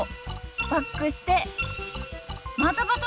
バックしてまたバトンタッチ！